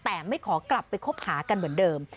แต่ไม่ขอกลับไปคบหากันเหมือนเดิม